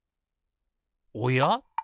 おや？